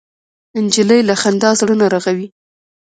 نجلۍ له خندا زړونه رغوي.